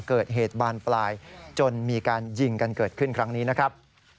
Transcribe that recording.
เกิดเหตุบานปลายจนมีการยิงกันเกิดขึ้นครั้งนี้นะครับ